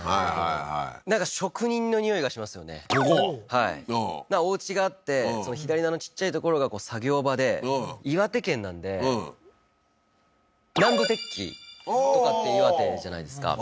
はいおうちがあって左のあのちっちゃい所が作業場で岩手県なんで南部鉄器とかって岩手じゃないですか